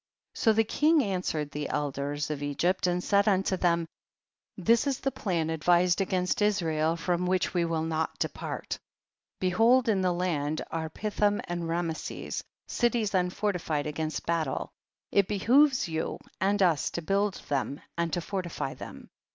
7. So the king answered the elders of Egypt and said unto them, this is the plan advised against Israel, from which we will not depart. 8. Behold in the land are Pithom and Rameses, cities unfortified against battle, // behoves you and us to build them, and to fortify them.